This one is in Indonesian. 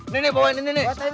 nih nih bawain